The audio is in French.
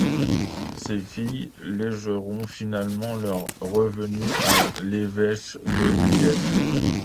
Ses filles légueront finalement leurs revenus à l'évêché de Liège.